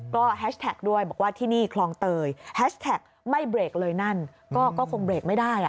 ก็แฮชแท็กด้วยบอกว่าที่นี่คลองเตยแฮชแท็กไม่เบรกเลยนั่นก็คงเบรกไม่ได้